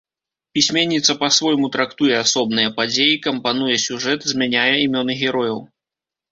Пісьменніца па-свойму трактуе асобныя падзеі, кампануе сюжэт, змяняе імёны герояў.